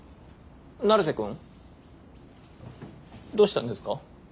成瀬くん？どうしたんですか？